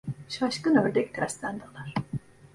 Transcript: Şaşkın ördek, tersten dalar.